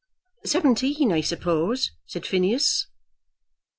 "Seventeen, I suppose," said Phineas.